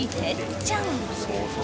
ちゃん。